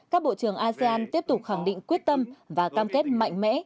các bộ trưởng asean tiếp tục khẳng định quyết tâm và cam kết mạnh mẽ